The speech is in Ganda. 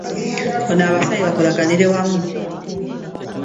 Ono abasabye bakolaganire wamu